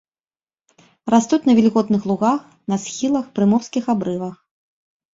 Растуць на вільготных лугах, на схілах, прыморскіх абрывах.